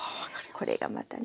これがまたね